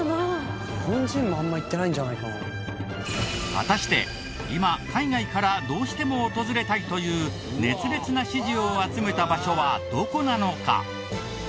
果たして今海外からどうしても訪れたいという熱烈な支持を集めた場所はどこなのか？